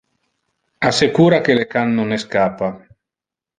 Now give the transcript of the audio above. Assecura que le can non escappa.